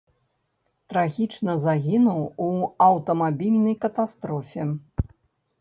Трагічна загінуў у аўтамабільнай катастрофе.